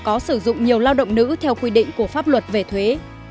có sử dụng nhiều lao động nữ theo quy định của pháp luật về thuế